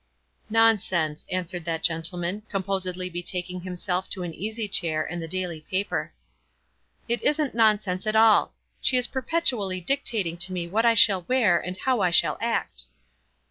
" Nonsense !" answered that gentleman, com posedly betaking himself to an easy chair and the daily paper. "It isn't nonsense at all. She is perpetually dictating to me what I shall wear and how I shall act."